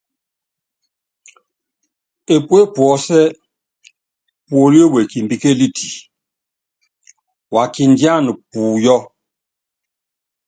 Epuépuɔ́sí, Púólíé wekimbíkéliti, wa kindíana púyɔ́.